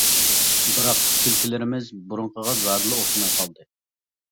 بىراق كۈلكىلىرىمىز بۇرۇنقىغا زادىلا ئوخشىماي قالدى.